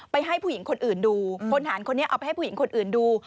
ให้ผู้หญิงคนอื่นดูพลฐานคนนี้เอาไปให้ผู้หญิงคนอื่นดู